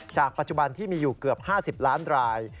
จากปัจจุบันที่มีอยู่เกือบ๕๐ล้านราย